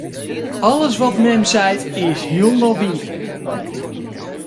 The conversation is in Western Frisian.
Alles wat mem seit, is hielendal wier.